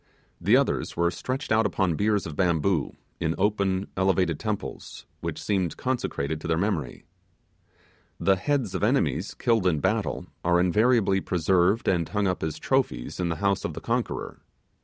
The others were stretched out upon biers of bamboo, in open, elevated temples, which seemed consecrated to their memory. The heads of enemies killed in battle are invariably preserved and hung up as trophies in the house of the conqueror.